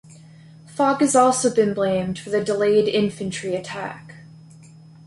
Fog has also been blamed for the delayed infantry attack.